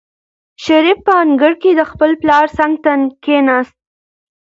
شریف په انګړ کې د خپل پلار څنګ ته کېناست.